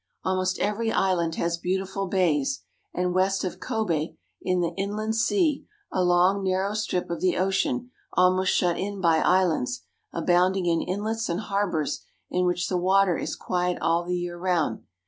Almost every island has beautiful bays, and west of Kobe (ko'be) is the Inland Sea, a long, narrow strip of the ocean almost shut in by islands, abounding in inlets and harbors in which the water is quiet all the year round.